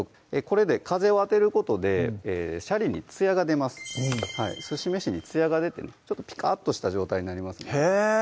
これで風を当てることでシャリにツヤが出ますすし飯にツヤが出てねピカッとした状態になりますねへぇ！